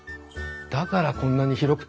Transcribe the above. だからこんなに広くて。